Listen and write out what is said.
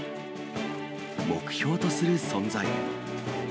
目標とする存在。